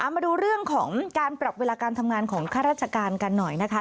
มาดูเรื่องของการปรับเวลาการทำงานของข้าราชการกันหน่อยนะคะ